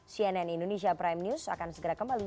cnn indonesia prime news akan segera kembali